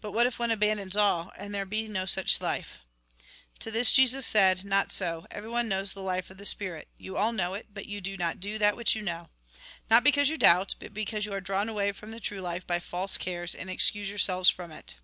But what if one abandons all, and there be no such life ?" To this Jesus said :" Not so ; everyone knows the life of the spirit. You all know it ; but you do not do that which you know. Not because you doubt, but because you are drawn away from the true life by false cares, and excuse yourselves from it.